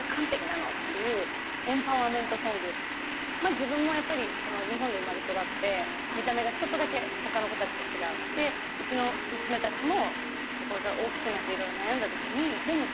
自分もやっぱりその日本で生まれ育って見た目がちょっとだけ他の子達と違うでうちの娘達もこれから大きくなって色々悩んだときにでもさ